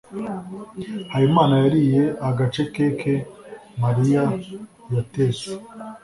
habimana yariye agace keke mariya yatetse